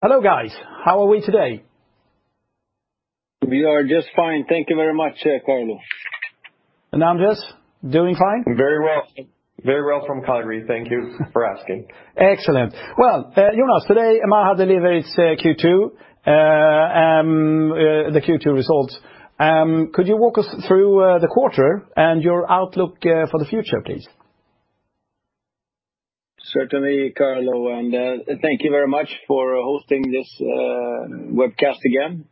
Hello, guys. How are we today? We are just fine. Thank you very much, Carlo. Anders, doing fine? Very well. Very well from Calgary. Thank you for asking. Excellent. Well, Jonas, today Maha delivered its Q2 results. Could you walk us through the quarter and your outlook for the future, please? Certainly, Carlo, thank you very much for hosting this webcast again,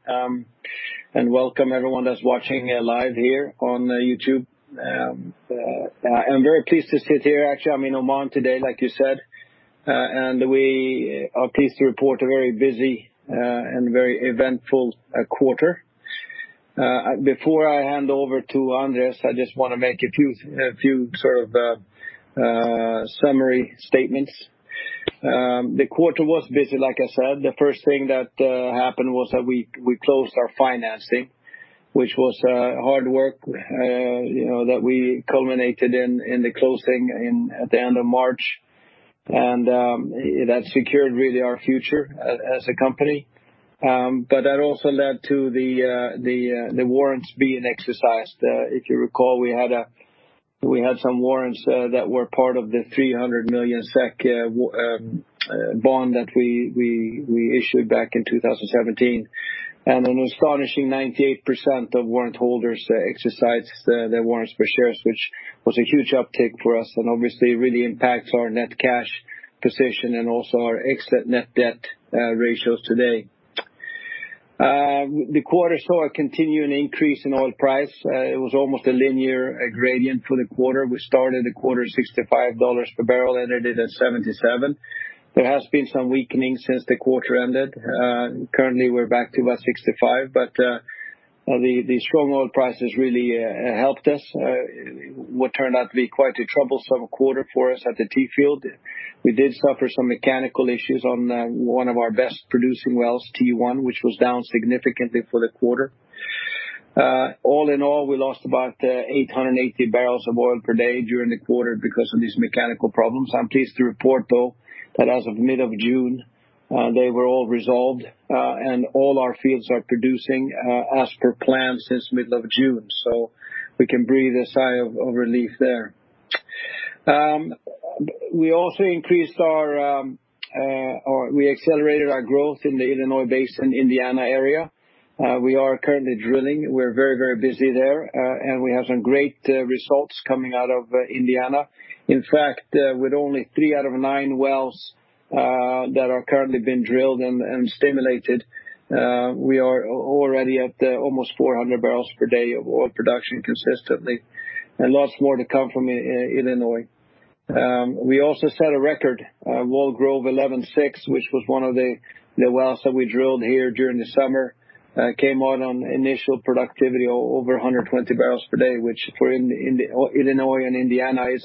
and welcome everyone that's watching live here on YouTube. I'm very pleased to sit here. Actually, I'm in Oman today, like you said, and we are pleased to report a very busy and very eventful quarter. Before I hand over to Anders, I just want to make a few summary statements. The quarter was busy, like I said. The first thing that happened was that we closed our financing, which was hard work that we culminated in the closing at the end of March. That secured, really, our future as a company, but that also led to the warrants being exercised. If you recall, we had some warrants that were part of the 300 million SEK bond that we issued back in 2017. An astonishing 98% of warrant holders exercised their warrants for shares, which was a huge uptick for us and obviously really impacts our net cash position and also our exit net debt ratios today. The quarter saw a continuing increase in oil price. It was almost a linear gradient for the quarter. We started the quarter at $65 per barrel, ended it at $77. There has been some weakening since the quarter ended. Currently, we're back to about $65, but the strong oil prices really helped us. What turned out to be quite a troublesome quarter for us at the Tie field, we did suffer some mechanical issues on one of our best producing wells, TA1, which was down significantly for the quarter. All in all, we lost about 880 barrels of oil per day during the quarter because of these mechanical problems. I'm pleased to report, though, that as of mid of June, they were all resolved, and all our fields are producing as per plan since mid of June. We can breathe a sigh of relief there. We also accelerated our growth in the Illinois Basin, Indiana area. We are currently drilling. We're very busy there. We have some great results coming out of Indiana. In fact, with only three out of nine wells that are currently being drilled and stimulated, we are already at almost 400 barrels per day of oil production consistently. Lots more to come from Illinois. We also set a record, Wallgrove 11-06, which was one of the wells that we drilled here during the summer, came out on initial productivity over 120 barrels per day, which for Illinois and Indiana is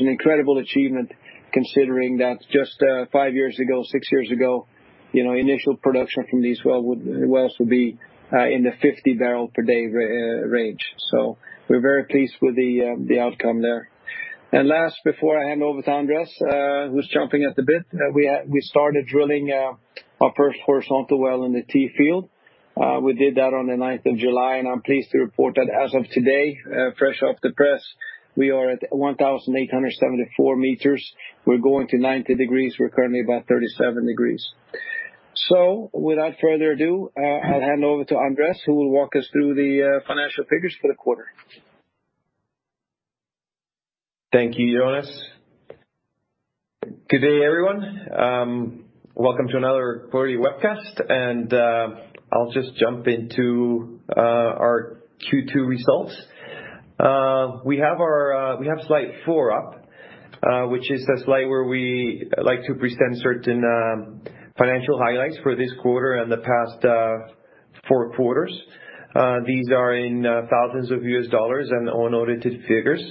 an incredible achievement considering that just five years ago, six years ago, initial production from these wells would be in the 50 barrel per day range. We're very pleased with the outcome there. Last, before I hand over to Anders, who's jumping at the bit, we started drilling our first horizontal well in the Tie field. We did that on the 9th of July, and I'm pleased to report that as of today, fresh off the press, we are at 1,874 meters. We're going to 90 degrees. We're currently about 37 degrees. Without further ado, I'll hand over to Anders, who will walk us through the financial figures for the quarter. Thank you, Jonas. Good day, everyone. Welcome to another quarterly webcast. I'll just jump into our Q2 results. We have slide four up, which is a slide where we like to present certain financial highlights for this quarter and the past four quarters. These are in thousands of US dollars and unaudited figures.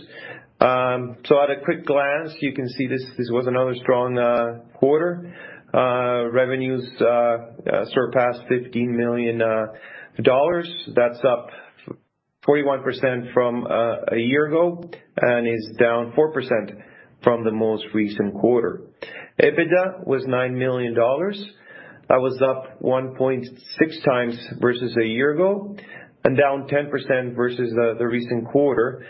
At a quick glance, you can see this was another strong quarter. Revenues surpassed $15 million. That's up 41% from a year ago and is down 4% from the most recent quarter. EBITDA was $9 million. That was up 1.6 times versus a year ago and down 10% versus the recent quarter.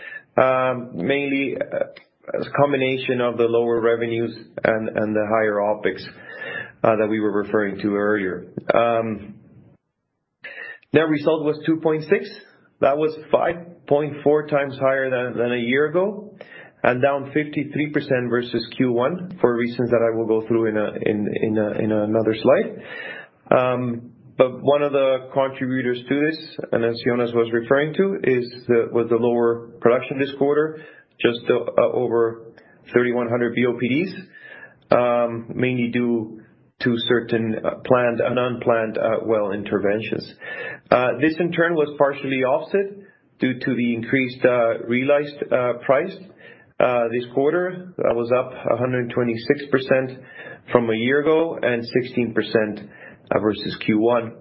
Mainly a combination of the lower revenues and the higher OPEX that we were referring to earlier. Net result was $2.6 million. That was 5.4 times higher than a year ago and down 53% versus Q1, for reasons that I will go through in another slide. One of the contributors to this, and as Jonas was referring to, was the lower production this quarter, just over 3,100 BOPD, mainly due to certain planned and unplanned well interventions. This in turn was partially offset due to the increased realized price this quarter. That was up 126% from a year ago and 16% versus Q1.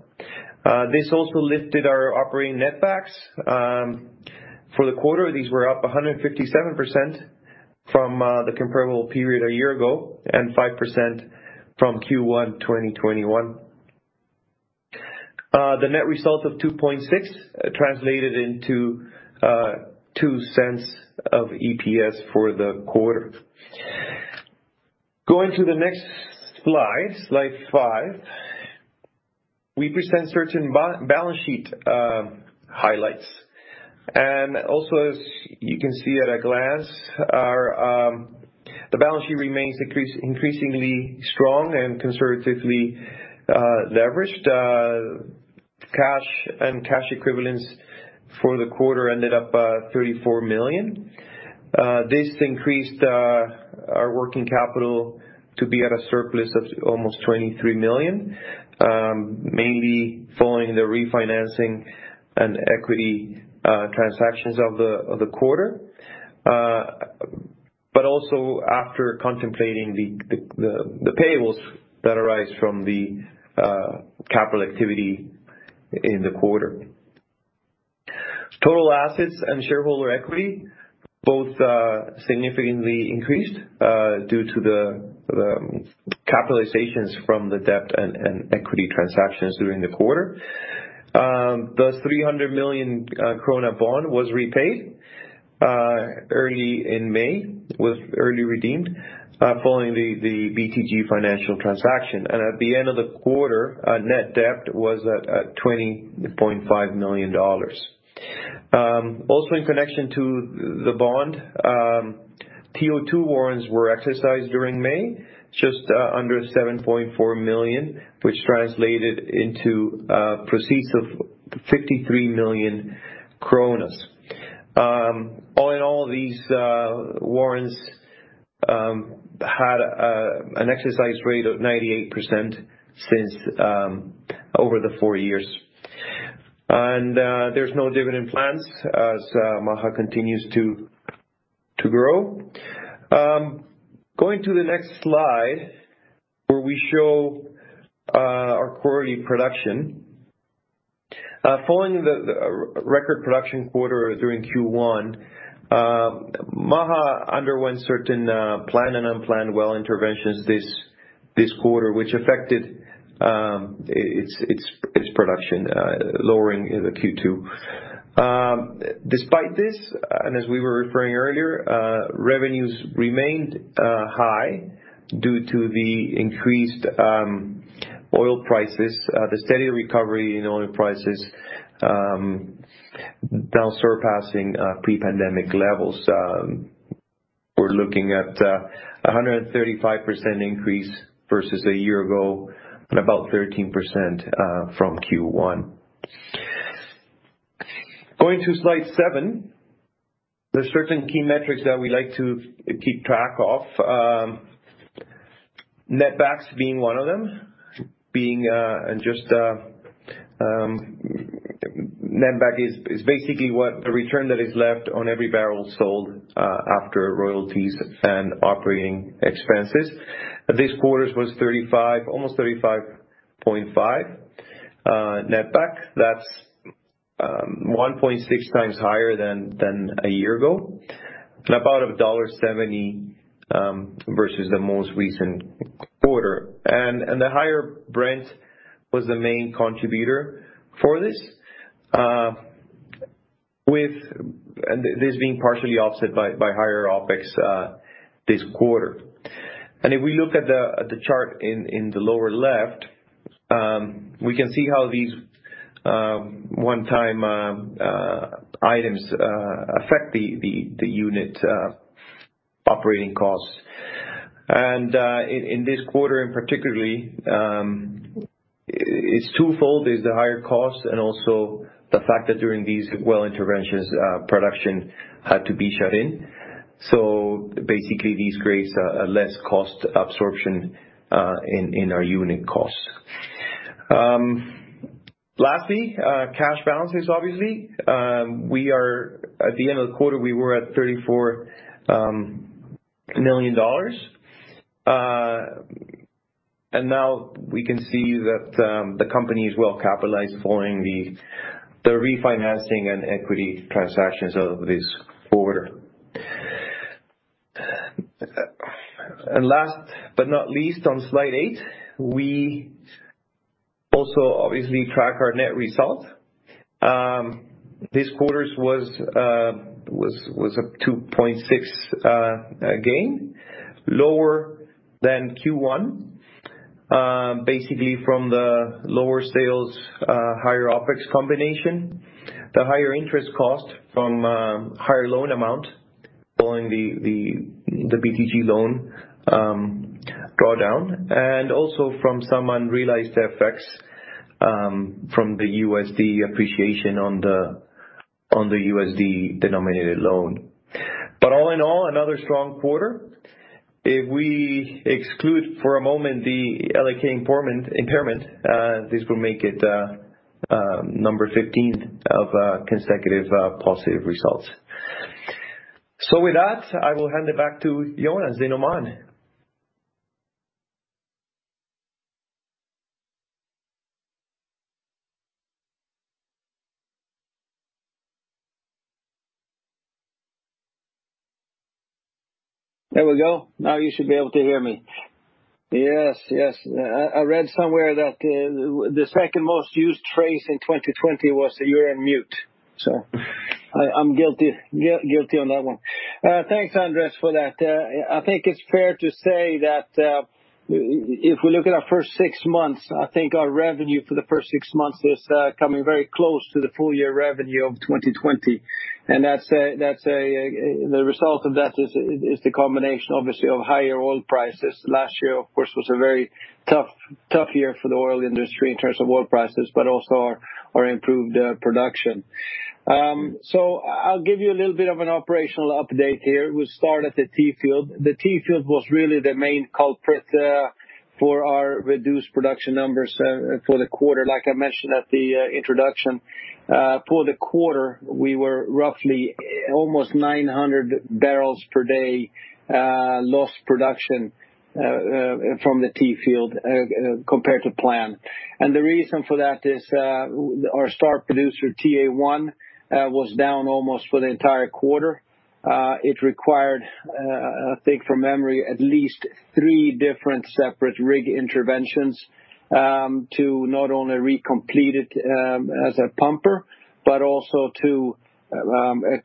This also lifted our operating netbacks. For the quarter, these were up 157% from the comparable period a year ago, and 5% from Q1 2021. The net result of $2.6 million translated into $0.02 of EPS for the quarter. Going to the next slide five, we present certain balance sheet highlights. As you can see at a glance, the balance sheet remains increasingly strong and conservatively leveraged. Cash and cash equivalents for the quarter ended up $34 million. This increased our working capital to be at a surplus of almost $23 million, mainly following the refinancing and equity transactions of the quarter, but also after contemplating the payables that arise from the capital activity in the quarter. Total assets and shareholder equity both significantly increased due to the capitalizations from the debt and equity transactions during the quarter. The 300 million krona bond was repaid early in May, following the BTG financial transaction. At the end of the quarter, net debt was at $20.5 million. In connection to the bond, TO2 warrants were exercised during May, just under 7.4 million, which translated into proceeds of SEK 53 million. These warrants had an exercise rate of 98% over the four years. There's no dividend plans as Maha continues to grow. Going to the next slide, where we show our quarterly production. Following the record production quarter during Q1, Maha underwent certain planned and unplanned well interventions this quarter, which affected its production, lowering the Q2. Despite this, as we were referring earlier, revenues remained high due to the increased oil prices, the steady recovery in oil prices now surpassing pre-pandemic levels. We're looking at 135% increase versus a year ago and about 13% from Q1. Going to slide seven, there are certain key metrics that we like to keep track of, netbacks being one of them. Netback is basically what the return that is left on every barrel sold after royalties and operating expenses. This quarter was almost $35.5 netback. That's 1.6 times higher than a year ago, and about $1.70 versus the most recent quarter. The higher Brent was the main contributor for this being partially offset by higher OPEX this quarter. If we look at the chart in the lower left, we can see how these one-time items affect the unit operating costs. In this quarter, in particular, it's twofold. There's the higher cost and also the fact that during these well interventions, production had to be shut in. This creates a less cost absorption in our unit costs. Lastly, cash balances, obviously. At the end of the quarter, we were at $34 million. We can see that the company is well capitalized following the refinancing and equity transactions of this quarter. On slide eight, we also obviously track our net result. This quarter was a $2.6 gain, lower than Q1, basically from the lower sales, higher OPEX combination, the higher interest cost from higher loan amount following the BTG loan drawdown, and also from some unrealized FX from the USD appreciation on the USD-denominated loan. Another strong quarter. If we exclude for a moment the LAK impairment, this will make it number 15 of consecutive positive results. I will hand it back to Jonas in Oman. There we go. Now you should be able to hear me. Yes. I read somewhere that the second most used phrase in 2020 was, "You're on mute." I'm guilty on that one. Thanks, Anders, for that. I think it's fair to say that if we look at our first six months, I think our revenue for the first six months is coming very close to the full-year revenue of 2020. The result of that is the combination, obviously, of higher oil prices. Last year, of course, was a very tough year for the oil industry in terms of oil prices, but also our improved production. I'll give you a little bit of an operational update here. We'll start at the Tie field. The Tie field was really the main culprit for our reduced production numbers for the quarter, like I mentioned at the introduction. For the quarter, we were roughly almost 900 barrels per day lost production from the Tie field compared to plan. The reason for that is our star producer, TA1, was down almost for the entire quarter. It required, I think from memory, at least three different separate rig interventions, to not only re-complete it as a pumper, but also to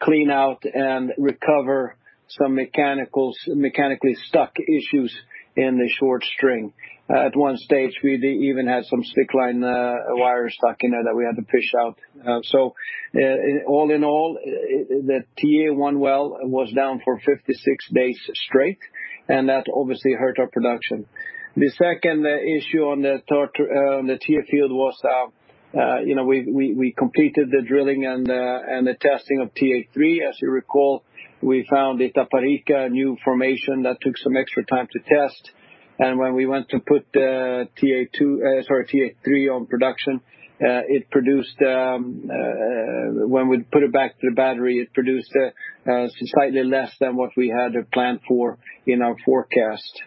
clean out and recover some mechanically stuck issues in the short string. At one stage, we even had some slickline wire stuck in there that we had to fish out. All in all, the TA1 well was down for 56 days straight, and that obviously hurt our production. The second issue on the Tie field was we completed the drilling and the testing of TA3. As you recall, we found the Itaparica new formation that took some extra time to test. When we went to put TA3 on production, when we put it back to the battery, it produced slightly less than what we had planned for in our forecast.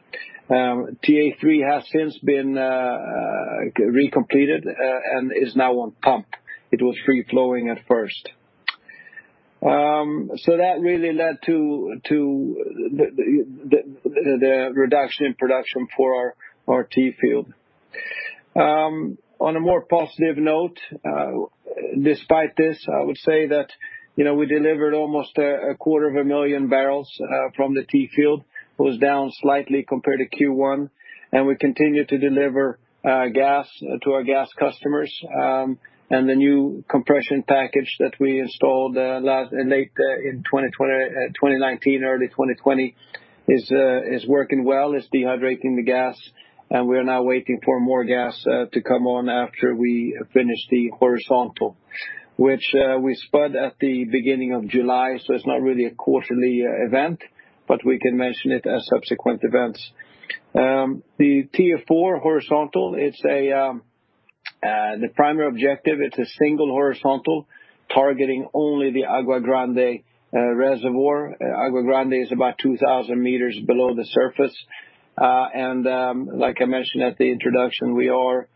TA3 has since been re-completed, and is now on pump. It was free-flowing at first. That really led to the reduction in production for our Tie field. On a more positive note, despite this, I would say that we delivered almost a quarter of a million barrels from the Tie field. It was down slightly compared to Q1, and we continue to deliver gas to our gas customers. The new compression package that we installed late in 2019, early 2020 is working well. It's dehydrating the gas, and we are now waiting for more gas to come on after we finish the horizontal, which we spud at the beginning of July, so it's not really a quarterly event, but we can mention it as subsequent events. The TA4 horizontal, the primary objective, it's a single horizontal targeting only the Água Grande reservoir. Água Grande is about 2,000 meters below the surface. Like I mentioned at the introduction, we are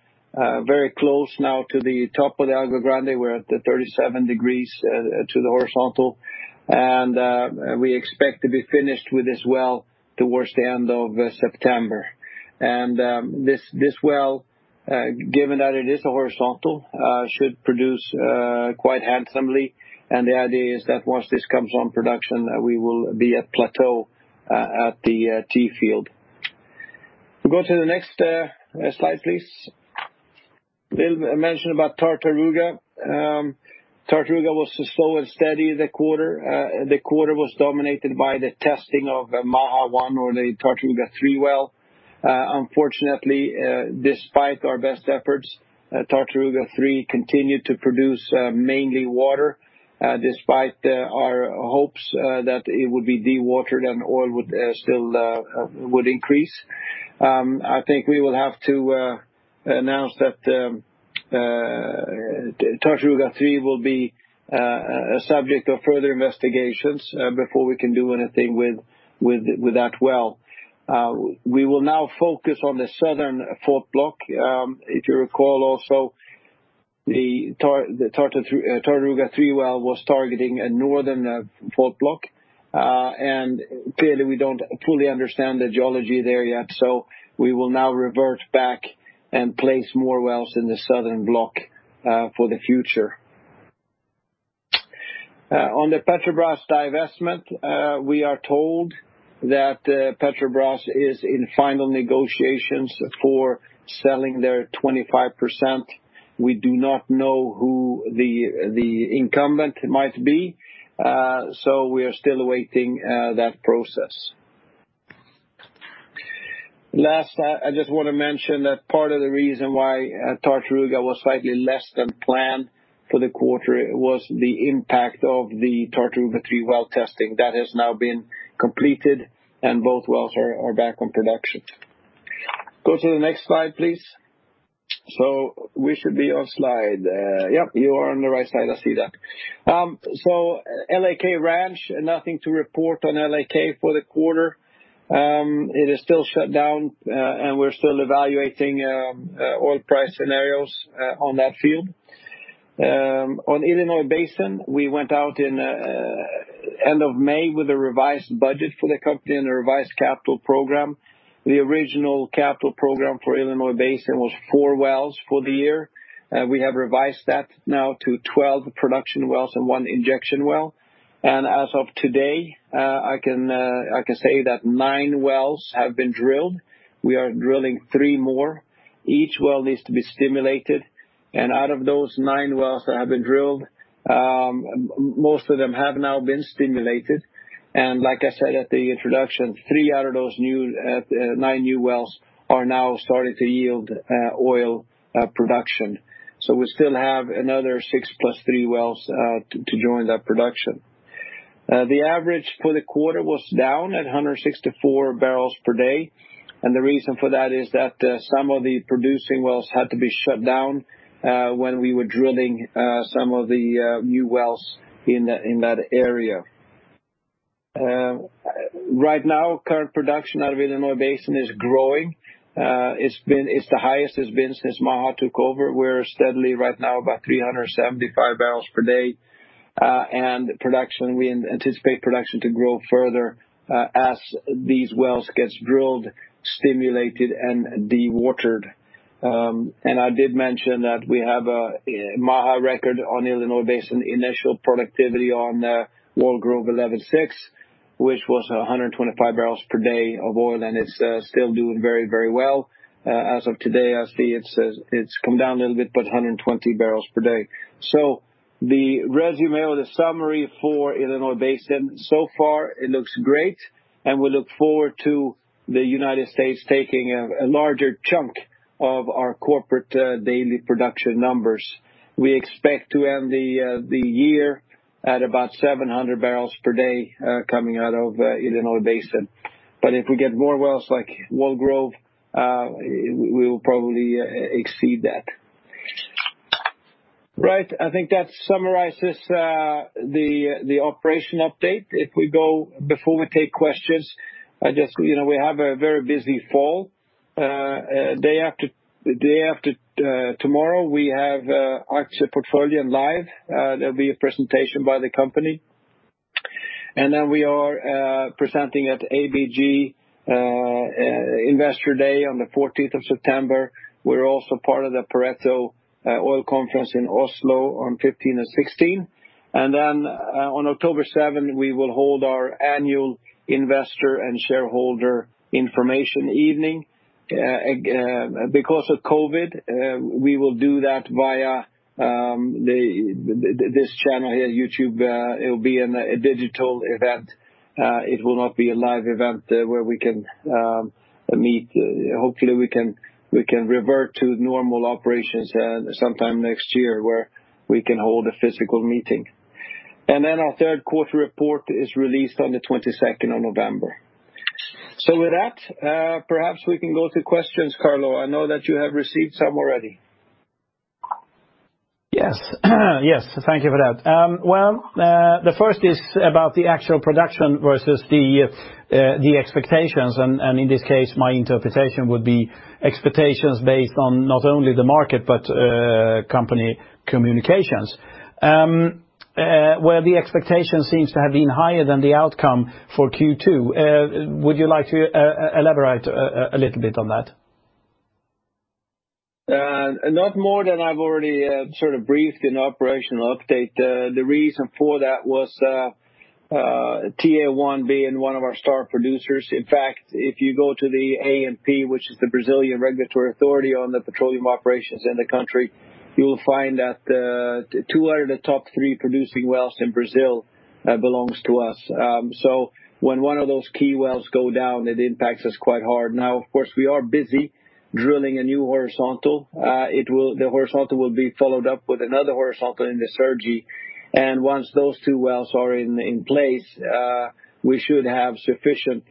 very close now to the top of the Água Grande. We're at the 37 degrees to the horizontal. We expect to be finished with this well towards the end of September. This well, given that it is a horizontal, should produce quite handsomely. The idea is that once this comes on production, we will be at plateau at the Tie field. Go to the next slide, please. Little mention about Tartaruga. Tartaruga was slow and steady the quarter. The quarter was dominated by the testing of Maha-1 or the Tartaruga-3 well. Unfortunately, despite our best efforts, Tartaruga-3 continued to produce mainly water, despite our hopes that it would be dewatered and oil would increase. I think we will have to announce that Tartaruga-3 will be a subject of further investigations before we can do anything with that well. We will now focus on the southern fault block. If you recall also, the Tartaruga-3 well was targeting a northern fault block. Clearly we don't fully understand the geology there yet, so we will now revert back and place more wells in the southern block for the future. On the Petrobras divestment, we are told that Petrobras is in final negotiations for selling their 25%. We do not know who the incumbent might be, we are still awaiting that process. Last, I just want to mention that part of the reason why Tartaruga was slightly less than planned for the quarter was the impact of the Tartaruga-3 well testing. That has now been completed, and both wells are back on production. Go to the next slide, please. We should be on slide Yep, you are on the right slide. I see that. LAK Ranch, nothing to report on LAK for the quarter. It is still shut down, and we're still evaluating oil price scenarios on that field. On Illinois Basin, we went out in end of May with a revised budget for the company and a revised capital program. The original capital program for Illinois Basin was four wells for the year. We have revised that now to 12 production wells and one injection well. As of today, I can say that nine wells have been drilled. We are drilling three more. Each well needs to be stimulated, and out of those nine wells that have been drilled, most of them have now been stimulated. Like I said at the introduction, three out of those nine new wells are now starting to yield oil production. We still have another six plus three wells to join that production. The average for the quarter was down at 164 barrels per day, and the reason for that is that some of the producing wells had to be shut down when we were drilling some of the new wells in that area. Right now, current production out of Illinois Basin is growing. It's the highest it's been since Maha took over. We're steadily right now about 375 barrels per day. We anticipate production to grow further as these wells gets drilled, stimulated, and de-watered. I did mention that we have a Maha record on Illinois Basin, initial productivity on Wallgrove 11-06, which was 125 barrels per day of oil, and it's still doing very well. As of today, I see it's come down a little bit, but 120 barrels per day. The resume or the summary for Illinois Basin, so far it looks great, and we look forward to the U.S. taking a larger chunk of our corporate daily production numbers. We expect to end the year at about 700 barrels per day coming out of Illinois Basin. If we get more wells like Wallgrove, we will probably exceed that. Right. I think that summarizes the operation update. Day after tomorrow, we have Aktiespararna Live. There'll be a presentation by the company. Then we are presenting at ABG Investor Day on the 14th of September. We are also part of the Pareto Oil Conference in Oslo on 15 and 16. Then on October 7, we will hold our annual investor and shareholder information evening. Because of COVID, we will do that via this channel here, YouTube. It will be a digital event. It will not be a live event where we can meet. Hopefully, we can revert to normal operations sometime next year where we can hold a physical meeting. And then our third quarter report is released on the 22nd of November. With that, perhaps we can go to questions, Carlo. I know that you have received some already. Yes. Yes. Thank you for that. Well, the first is about the actual production versus the expectations, and in this case, my interpretation would be expectations based on not only the market but company communications, where the expectation seems to have been higher than the outcome for Q2. Would you like to elaborate a little bit on that? Not more than I've already sort of briefed in operational update. The reason for that was TA1 being one of our star producers. In fact, if you go to the ANP, which is the Brazilian regulatory authority on the petroleum operations in the country, you will find that two out of the top three producing wells in Brazil belongs to us. So when one of those key wells go down, it impacts us quite hard. Now, of course, we are busy drilling a new horizontal. The horizontal will be followed up with another horizontal in the Sergipe, and once those two wells are in place, we should have sufficient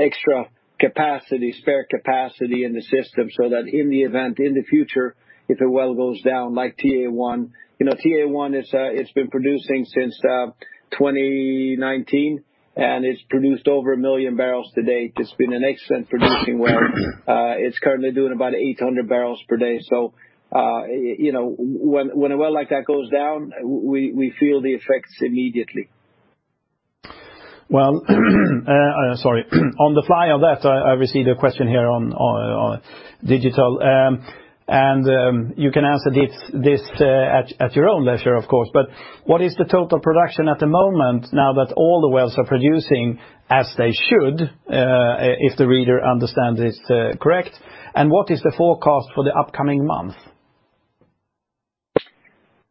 extra spare capacity in the system so that in the event, in the future, if a well goes down like TA1 it's been producing since 2019, and it's produced over a million barrels to date. It's been an excellent producing well. It's currently doing about 800 barrels per day. So when a well like that goes down, we feel the effects immediately. Well, sorry. On the fly of that, I received a question here on digital, you can answer this at your own leisure, of course, but what is the total production at the moment now that all the wells are producing as they should, if the reader understands this correct? What is the forecast for the upcoming month?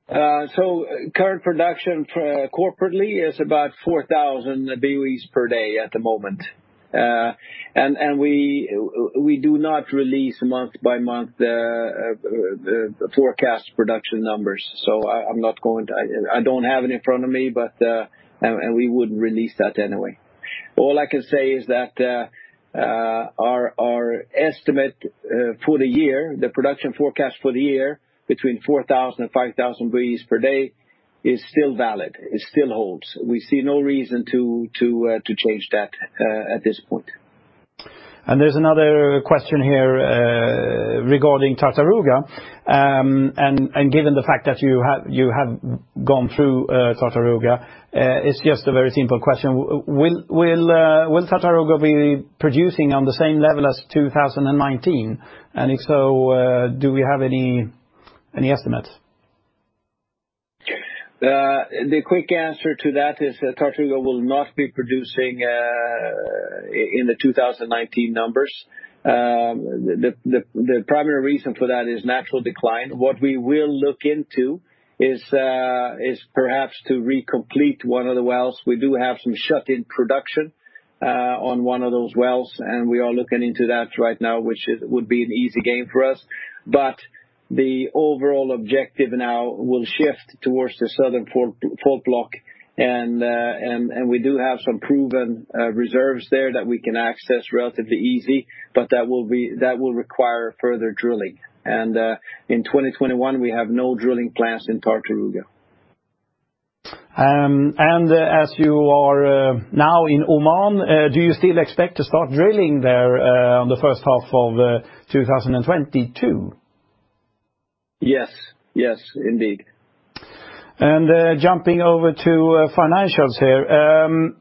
Current production corporately is about 4,000 BOE per day at the moment. We do not release month by month forecast production numbers. I don't have it in front of me, and we wouldn't release that anyway. All I can say is that our estimate for the year, the production forecast for the year, between 4,000 and 5,000 barrels per day is still valid. It still holds. We see no reason to change that at this point. There's another question here regarding Tartaruga. Given the fact that you have gone through Tartaruga, it's just a very simple question. Will Tartaruga be producing on the same level as 2019? If so, do we have any estimates? The quick answer to that is that Tartaruga will not be producing in the 2019 numbers. The primary reason for that is natural decline. What we will look into is perhaps to recomplete one of the wells. We do have some shut-in production on one of those wells, and we are looking into that right now, which would be an easy gain for us. The overall objective now will shift towards the southern fault block, and we do have some proven reserves there that we can access relatively easy. That will require further drilling. In 2021, we have no drilling plans in Tartaruga. As you are now in Oman, do you still expect to start drilling there on the first half of 2022? Yes. Indeed. Jumping over to financials here.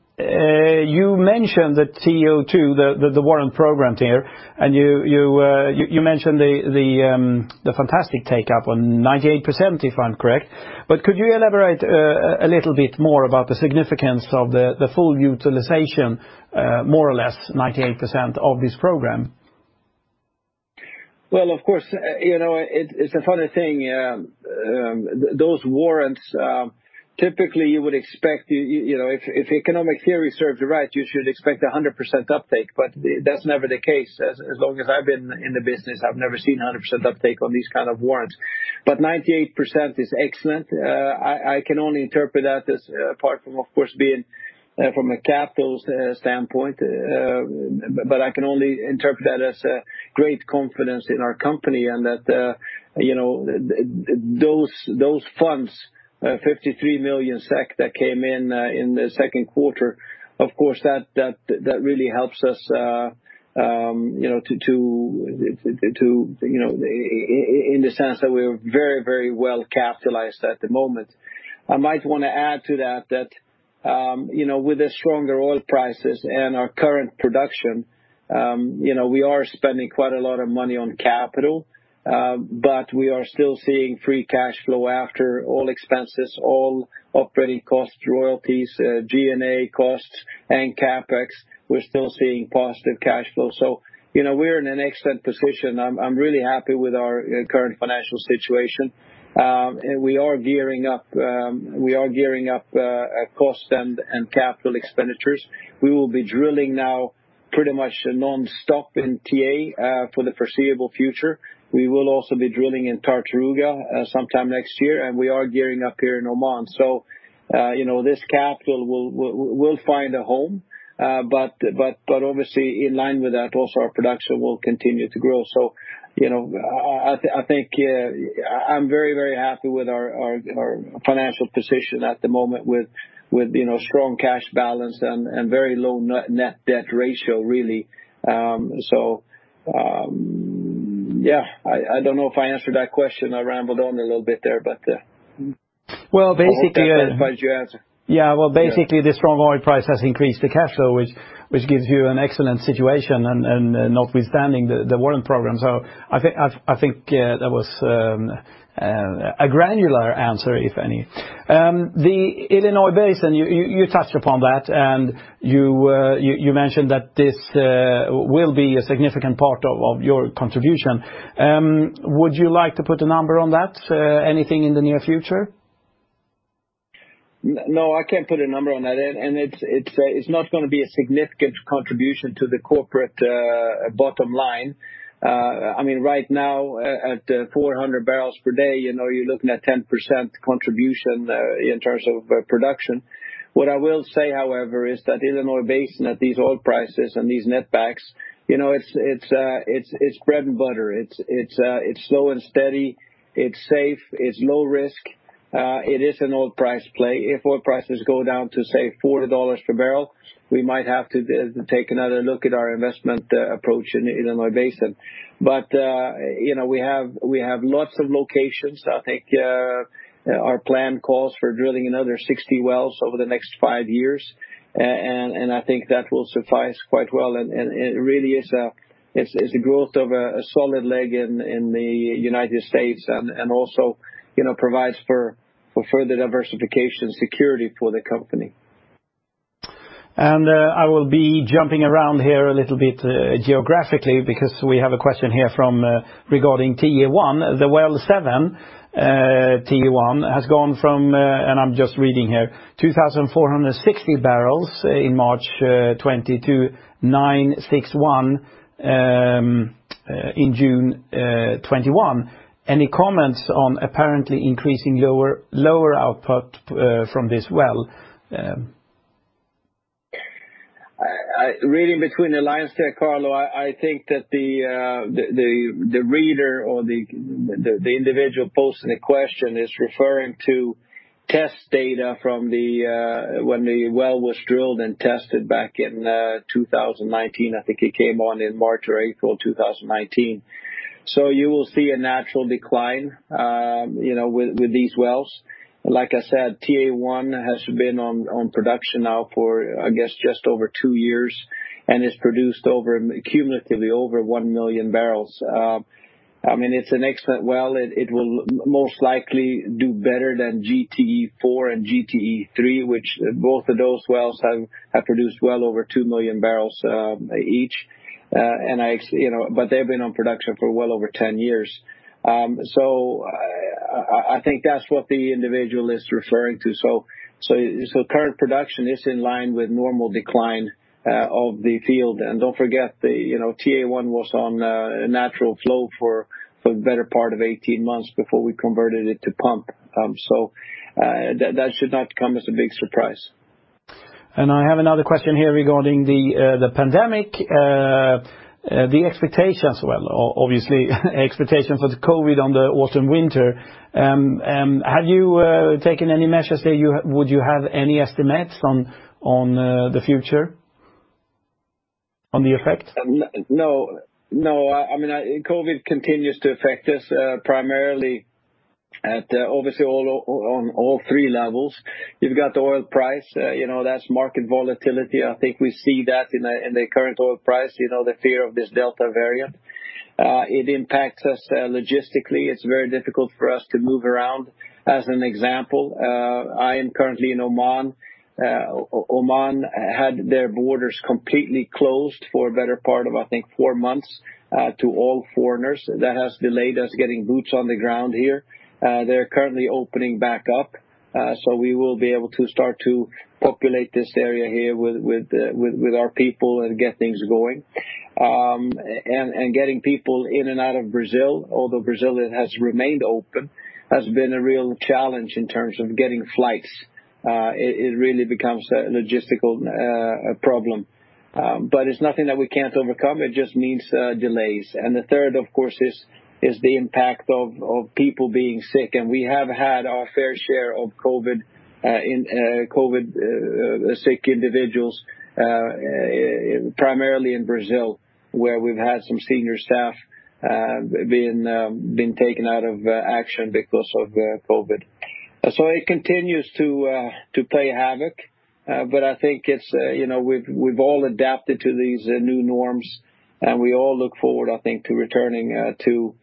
You mentioned that TO2, the warrant program there, and you mentioned the fantastic take-up on 98%, if I'm correct. Could you elaborate a little bit more about the significance of the full utilization, more or less 98% of this program? Well, of course, it's a funny thing. Those warrants, typically you would expect if economic theory serves you right, you should expect 100% uptake. That's never the case. As long as I've been in the business, I've never seen 100% uptake on these kind of warrants. 98% is excellent. I can only interpret that as apart from, of course, being from a capital standpoint, I can only interpret that as a great confidence in our company and that those funds, 53 million SEK that came in the second quarter, of course, that really helps us in the sense that we're very well capitalized at the moment. I might want to add to that with the stronger oil prices and our current production we are spending quite a lot of money on capital, we are still seeing free cash flow after all expenses, all operating costs, royalties, G&A costs, and CapEx. We're still seeing positive cash flow. We're in an excellent position. I'm really happy with our current financial situation. We are gearing up cost and capital expenditures. We will be drilling now pretty much nonstop in TA for the foreseeable future. We will also be drilling in Tartaruga sometime next year, and we are gearing up here in Oman. This capital will find a home. Obviously in line with that, also our production will continue to grow. I think I'm very happy with our financial position at the moment with strong cash balance and very low net debt ratio, really. Yeah, I don't know if I answered that question. I rambled on a little bit there. Well, basically- I hope that satisfies your answer. Yeah. Well, basically the strong oil price has increased the cash flow, which gives you an excellent situation and notwithstanding the warrant program. I think that was a granular answer, if any. The Illinois Basin, you touched upon that and you mentioned that this will be a significant part of your contribution. Would you like to put a number on that? Anything in the near future? No, I can't put a number on that. It's not going to be a significant contribution to the corporate bottom line. Right now at 400 barrels per day, you're looking at 10% contribution in terms of production. What I will say, however, is that Illinois Basin at these oil prices and these netbacks, it's bread and butter. It's slow and steady. It's safe, it's low risk. It is an oil price play. If oil prices go down to, say, $40 per barrel, we might have to take another look at our investment approach in Illinois Basin. We have lots of locations. I think our plan calls for drilling another 60 wells over the next five years, and I think that will suffice quite well. It really is a growth of a solid leg in the United States and also provides for further diversification security for the company. I will be jumping around here a little bit geographically because we have a question here from regarding TA1, the Well seven, TA1, has gone from, and I'm just reading here, 2,460 barrels in March 2020 to 961 in June 2021. Any comments on apparently increasing lower output from this well? Reading between the lines there, Carlo, I think that the reader or the individual posting the question is referring to test data from when the well was drilled and tested back in 2019. I think it came on in March or April 2019. You will see a natural decline with these wells. Like I said, TA1 has been on production now for, I guess, just over two years, and has produced cumulatively over one million barrels. It's an excellent well. It will most likely do better than GTE-4 and GTE-3, which both of those wells have produced well over two million barrels each. They've been on production for well over 10 years. I think that's what the individual is referring to. Current production is in line with normal decline of the field. don't forget, TA1 was on natural flow for the better part of 18 months before we converted it to pump. That should not come as a big surprise. I have another question here regarding the pandemic. The expectations, well, obviously, expectation for the COVID on the autumn/winter. Have you taken any measures there? Would you have any estimates on the future? On the effect? No. COVID continues to affect us primarily at obviously on all three levels. You've got the oil price, that's market volatility. I think we see that in the current oil price, the fear of this Delta variant. It impacts us logistically. It's very difficult for us to move around. As an example, I am currently in Oman. Oman had their borders completely closed for a better part of, I think, four months to all foreigners. That has delayed us getting boots on the ground here. They're currently opening back up so we will be able to start to populate this area here with our people and get things going. Getting people in and out of Brazil, although Brazil it has remained open, has been a real challenge in terms of getting flights. It really becomes a logistical problem. It's nothing that we can't overcome. It just means delays. The third, of course, is the impact of people being sick. We have had our fair share of COVID sick individuals, primarily in Brazil, where we've had some senior staff being taken out of action because of COVID. It continues to play havoc, but I think we've all adapted to these new norms and we all look forward, I think, to returning to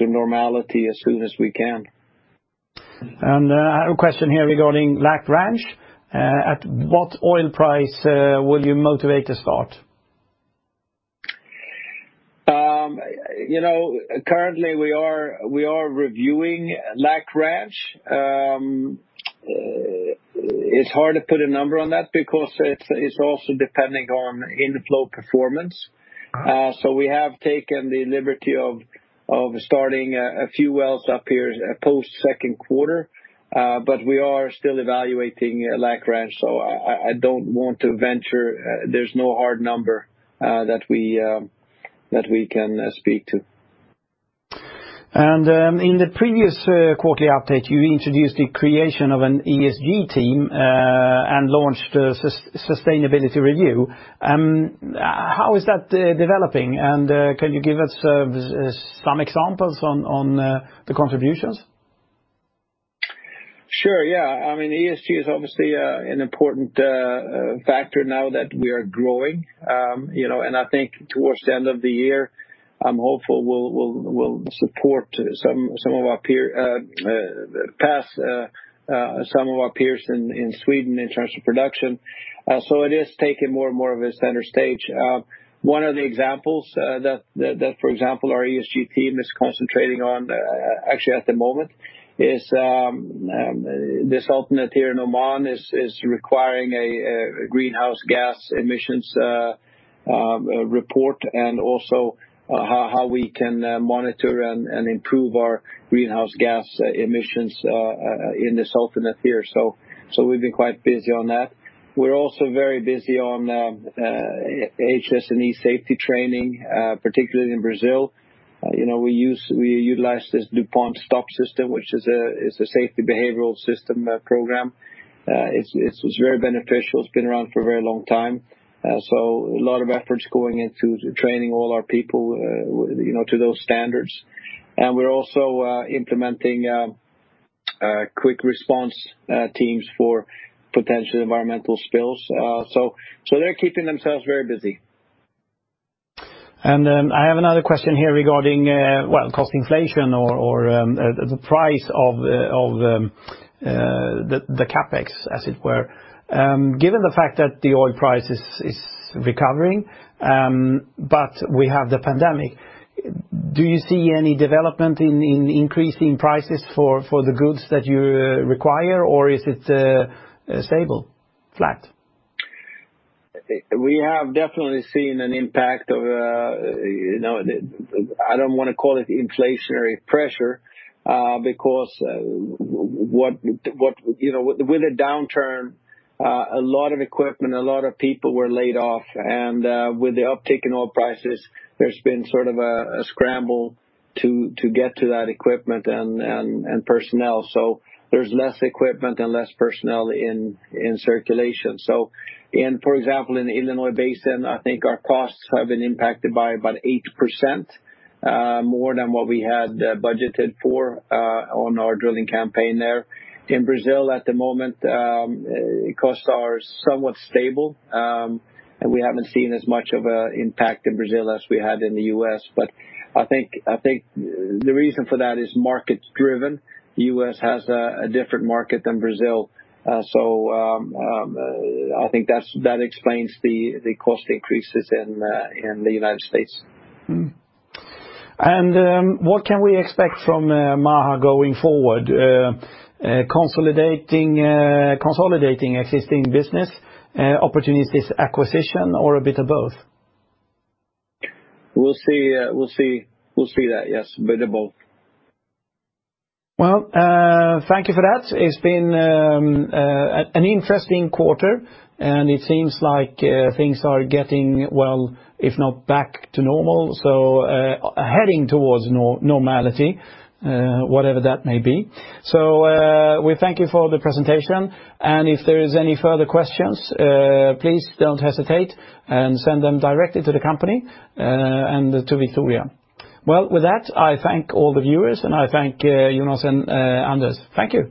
normality as soon as we can. I have a question here regarding LAK Ranch. At what oil price will you motivate to start? Currently we are reviewing LAK Ranch. It's hard to put a number on that because it's also depending on inflow performance. We have taken the liberty of starting a few wells up here post second quarter. We are still evaluating LAK Ranch, I don't want to venture. There's no hard number that we can speak to. In the previous quarterly update, you introduced the creation of an ESG team and launched a sustainability review. How is that developing? Can you give us some examples on the contributions? Sure, yeah. ESG is obviously an important factor now that we are growing. I think towards the end of the year, I'm hopeful we'll pass some of our peers in Sweden in terms of production. It is taking more and more of a center stage. One of the examples that, for example, our ESG team is concentrating on actually at the moment is this authority here in Oman is requiring a greenhouse gas emissions report and also how we can monitor and improve our greenhouse gas emissions in the Sultanate. We've been quite busy on that. We're also very busy on HSE safety training, particularly in Brazil. We utilize this DuPont STOP system, which is a safety behavioral system program. It's very beneficial. It's been around for a very long time. A lot of efforts going into training all our people to those standards. We are also implementing quick response teams for potential environmental spills. They are keeping themselves very busy. I have another question here regarding, well, cost inflation or the price of the CapEx, as it were. Given the fact that the oil price is recovering, but we have the pandemic, do you see any development in increasing prices for the goods that you require, or is it stable? Flat? We have definitely seen an impact of I do not want to call it inflationary pressure, because with the downturn, a lot of equipment, a lot of people were laid off. With the uptick in oil prices, there has been sort of a scramble to get to that equipment and personnel. There is less equipment and less personnel in circulation. For example, in the Illinois Basin, I think our costs have been impacted by about 8% more than what we had budgeted for on our drilling campaign there. In Brazil at the moment, costs are somewhat stable. We have not seen as much of an impact in Brazil as we had in the U.S., but I think the reason for that is market-driven. U.S. has a different market than Brazil. I think that explains the cost increases in the United States. What can we expect from Maha going forward? Consolidating existing business opportunities, acquisition or a bit of both? We'll see that, yes, a bit of both. Well, thank you for that. It's been an interesting quarter, it seems like things are getting, well, if not back to normal, heading towards normality, whatever that may be. We thank you for the presentation. If there is any further questions, please don't hesitate and send them directly to the company and to Victoria. Well, with that, I thank all the viewers and I thank Jonas and Anders. Thank you.